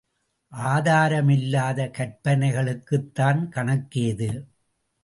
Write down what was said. ஆதாரமில்லாத கற்பனைகளுக்குத்தான் கணக்கேது?